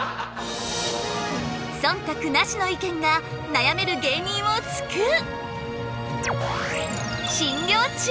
そんたくなしの意見が悩める芸人を救う！